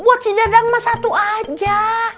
buat si dadang mah satu aja